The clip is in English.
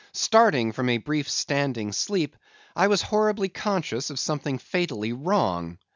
Starting from a brief standing sleep, I was horribly conscious of something fatally wrong.